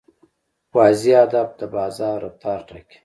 واضح هدف د بازار رفتار ټاکي.